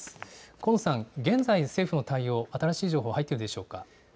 こうのさん、現在、政府の対応、新しい情報入っているでしょうか。